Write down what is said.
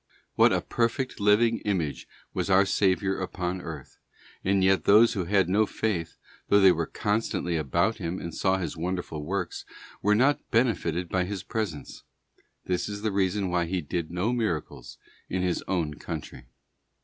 What a perfect living image was our Saviour upon éarth; and yet those who had no faith, though they were constantly about Him and saw His wonderful works, were not benefited by His presence. This is the reason why He did no miracles in His own country.